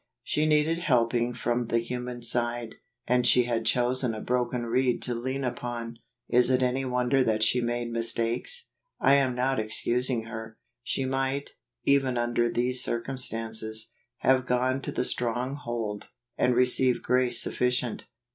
She needed helping from the human side ; and she had chosen a broken reed to lean upon. Is it any wonder that she made mis¬ takes ? I am not excusing her. She might, even under these circumstances, have gone to the Stronghold, and received grace suffi¬ cient.